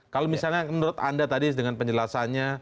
kalau misalnya menurut anda tadi dengan penjelasannya